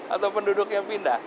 atau penduduknya pindah